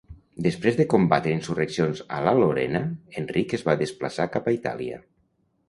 Després de combatre insurreccions a la Lorena, Enric es va desplaçar cap a Itàlia.